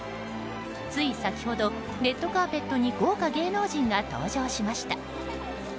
つい先ほど、レッドカーペットに豪華芸能人が登場しました。